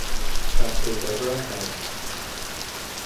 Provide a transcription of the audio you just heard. Doctor Deborah Hart.